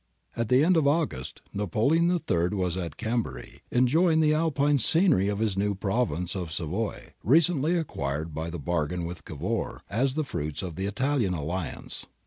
At the end of August, Napoleon III was at Chambery, enjoying the Alpine scenery of his new Province of Savoy, recently acquired by the bargain with Cavour, as the fruits of the Italian alliance.